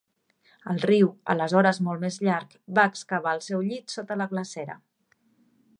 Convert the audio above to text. El riu, aleshores molt més llarg, va excavar el seu llit sota la glacera.